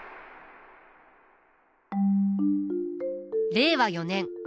令和４年。